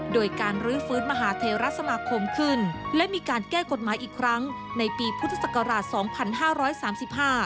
โดยการรื้อฟื้นมหาเทราสมาคมขึ้นและมีการแก้กฎหมายอีกครั้งในปีพุทธศักราช๒๕๓๕